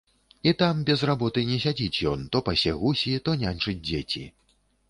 І там без работы не сядзіць ён, то пасе гусі, то няньчыць дзеці.